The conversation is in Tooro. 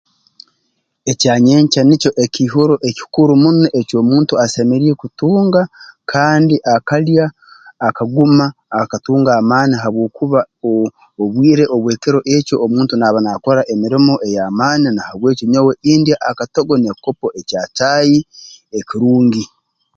Ekyanyenkya nikyo ekiihuuro ekikuru muno eki omuntu asemeriire kutunga kandi akalya akaguma akatunga amaani habwokuba oo obwire obw'ekiro ekyo omuntu naaba naakora emirimo ey'amaani na habw'eki nyowe indya akatogo n'ekikopo ekya caayi ekirungi